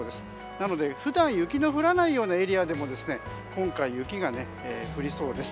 なので普段雪の降らないエリアでも今回、雪が降りそうです。